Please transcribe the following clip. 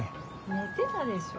寝てたでしょ？